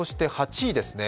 ８位ですね。